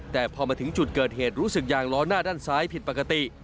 แต่พอมาถึงจุดเกิดเหตุรู้สึกยางล้อหน้าด้านซ้ายผิดปกติ